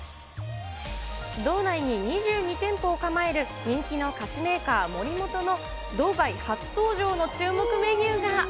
道内に２２店舗を構える人気の菓子メーカー、モリモトの道外初登場の注目メニューが。